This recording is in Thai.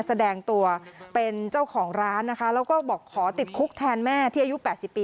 แสดงตัวเป็นเจ้าของร้านนะคะแล้วก็บอกขอติดคุกแทนแม่ที่อายุ๘๐ปี